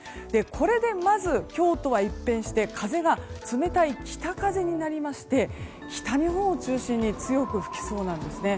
これでまず、今日とは一変して風が冷たい北風になりまして北日本を中心に強く吹きそうなんですね。